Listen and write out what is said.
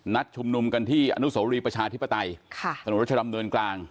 ชุมนุมกันที่อนุโสรีประชาธิปไตยถนนรัชดำเนินกลาง